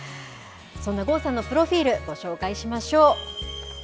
そんな郷さんのプロフィール、ご紹介しましょう。